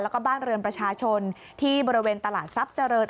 แล้วก็บ้านเรือนประชาชนที่บริเวณตลาดทรัพย์เจริญ